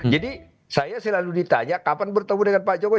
jadi saya selalu ditanya kapan bertemu dengan pak jokowi